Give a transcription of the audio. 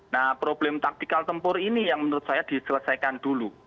nah problem taktikal tempur ini yang menurut saya diselesaikan dulu